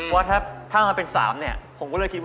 เพราะว่าถ้ามันเป็น๓เนี่ย